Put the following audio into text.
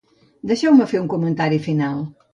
Deixeu-me fer un comentari final.